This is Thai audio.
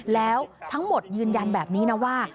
แล้วทั้งหมดยืนยันแบบนี้นะว่า